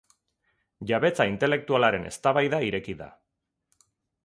Jabetza intelektualaren eztabaida ireki da.